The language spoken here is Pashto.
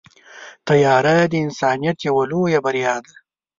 طیاره د انسانیت یوه لویه بریا ده.